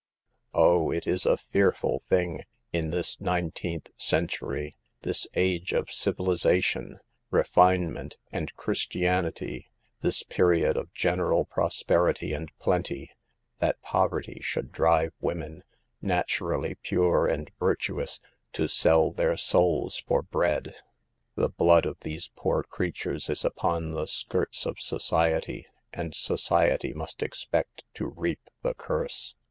Oh ! it is a fearful, thing, in this nineteenth century, this age of civilization, refinement and Christianity, this period of general pros perity and plenty, that poverty should drive" women, naturally pure and virtuous, to sell their souls for bread. The blood of these poor creatures is upon the skirts of society, and society must expect to reap the curse.